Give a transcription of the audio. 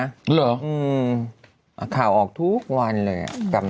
เช่นว่าขาวออกทุกวันเลย